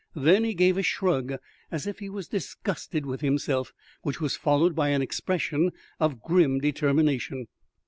Then he gave a shrug, as if he was disgusted with himself, which was followed by an expression of grim determination.